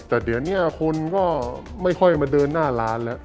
แต่เดี๋ยวนี้คนก็ไม่ค่อยมาเดินหน้าร้านแล้ว